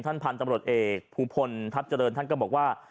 พันธุ์ตำรวจเอกภูพลทัพเจริญท่านก็บอกว่า